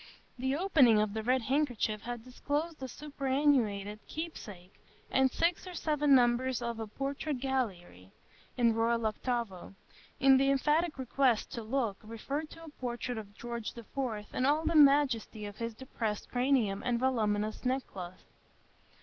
The opening of the red handkerchief had disclosed a superannuated "Keepsake" and six or seven numbers of a "Portrait Gallery," in royal octavo; and the emphatic request to look referred to a portrait of George the Fourth in all the majesty of his depressed cranium and voluminous neckcloth.